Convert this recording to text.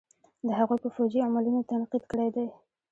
د هغوئ په فوجي عملونو تنقيد کړے دے.